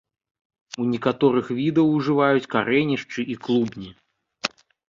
У некаторых відаў ужываюць карэнішчы і клубні.